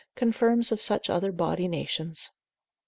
confirms of such other bawdy nations.